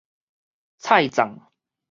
菜粽